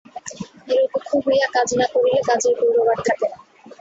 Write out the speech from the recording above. নিরপেক্ষ হইয়া কাজ না করিলে কাজের গৌরব আর থাকে না।